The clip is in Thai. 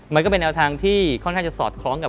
มันก็เป็นแนวทางที่ค่อนข้างจะสอดคล้องกับ